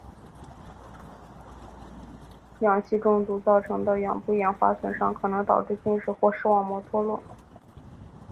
氧气中毒造成的眼部氧化损伤可能导致近视或部分视网膜脱落。